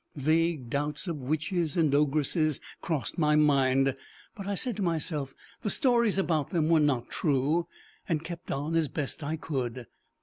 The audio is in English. Vague doubts of witches and ogresses crossed my mind, but I said to myself the stories about them were not true, and kept on as best I could.